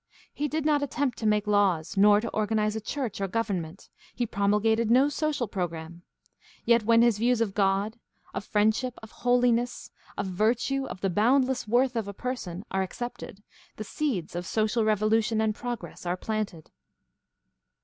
He did not attempt to make laws nor to organize a church or government; he pro mulgated no social program. Yet when his views of God, of friendship, of holiness, of virtue, of the boundless worth of a person are accepted, the seeds of social revolution and progress are planted.